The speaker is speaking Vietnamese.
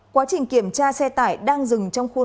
quá trình kiểm tra xe tải đang dừng trong khuôn